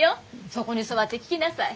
そこに座って聞きなさい。